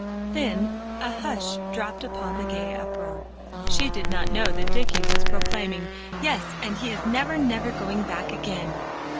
Then a hush dropped upon the gay uproar. She did not know that Dicky was proclaiming "Yes, and he is never, never going back again.